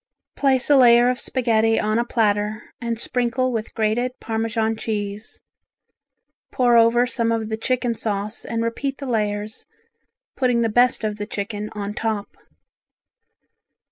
Place a layer of spaghetti on a platter and sprinkle with grated Parmesan cheese, pour over some of the chicken sauce and repeat the layers, putting the best of the chicken on top.